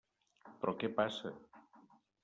Però, què passa?